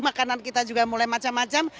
makanan kita juga mulai macam macam